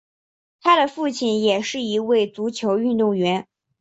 他的父亲也是一位足球运动员。